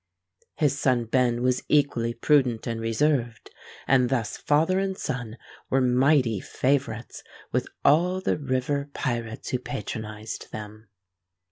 His son Ben was equally prudent and reserved; and thus father and son were mighty favourites with all the river pirates who patronised them.